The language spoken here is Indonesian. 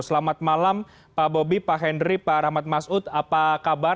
selamat malam pak bobi pak henry pak rahmat masud apa kabar